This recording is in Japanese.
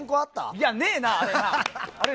いや、ねえな、あれは。